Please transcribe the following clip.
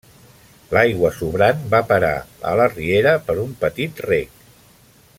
L'aigua sobrant va a parar a la riera per un petit rec.